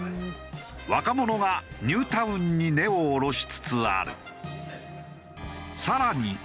若者がニュータウンに根を下ろしつつある。